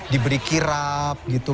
diberi kirap gitu